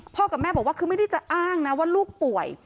กับแม่บอกว่าคือไม่ได้จะอ้างนะว่าลูกป่วย